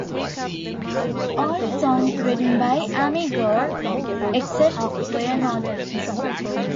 All songs written by Amy Gore, except where noted.